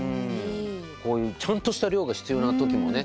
こういうちゃんとした量が必要な時もね。